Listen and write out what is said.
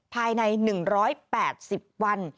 ภายใน๑๘๐วัน